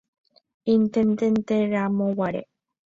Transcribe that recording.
Intendenteramoguare.